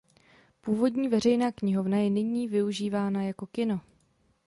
Původní veřejná knihovna je nyní využívána jako kino.